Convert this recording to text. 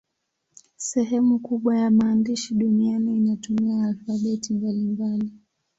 Sehemu kubwa ya maandishi duniani inatumia alfabeti mbalimbali.